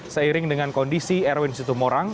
seiring dengan kondisi erwin situmorang